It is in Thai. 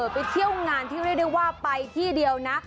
ไปเที่ยวงานที่เรียกได้ว่าไปที่เดียวนะ